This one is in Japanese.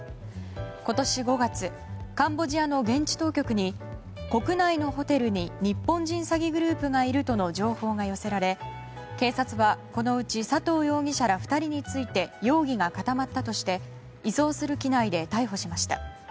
今年５月カンボジアの現地当局に国内のホテルに日本人詐欺グループがいるとの情報が寄せられ警察は、このうち佐藤容疑者ら２人について容疑が固まったとして移送する機内で逮捕しました。